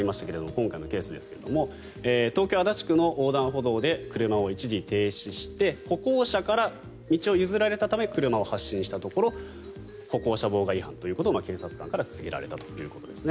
今回のケースですが東京・足立区の横断歩道で車を一時停止して歩行者から道を譲られたため車を発進したところ歩行者妨害違反ということを警察官から告げられたということです。